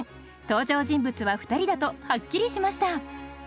登場人物は２人だとはっきりしました。